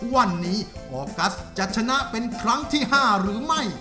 วันนี้ออกัสจะชนะเป็นครั้งที่๕หรือไม่